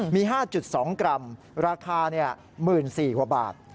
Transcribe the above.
มี๕๒กรัมราคา๑๔๐๐กว่าบาท